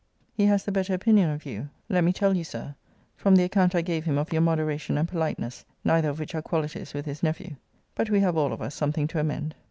He has the better opinion of you, let me tell you, Sir, from the account I gave him of your moderation and politeness; neither of which are qualities with his nephew. But we have all of us something to amend.